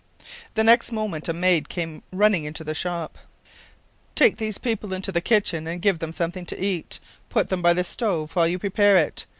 The next moment a maid came running into the shop. “Take these people into the kitchen and give them something to eat. Put them by the stove while you prepare it.